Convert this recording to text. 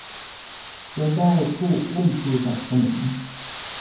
จะได้ผู้อุ้มชูสนับสนุน